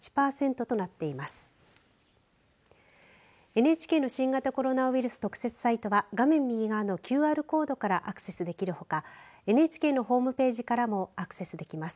ＮＨＫの新型コロナウイルス特設サイトは画面右側のＱＲコードからアクセスできるほかＮＨＫのホームページからもアクセスできます。